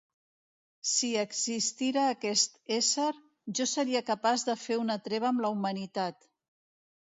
Si existira aquest ésser, jo seria capaç de fer una treva amb la humanitat.